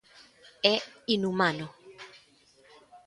"É inhumano".